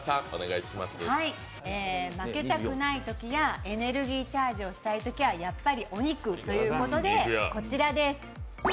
負けたくないときやエネルギーチャージをしたいときはやっぱりお肉ということで、こちらです。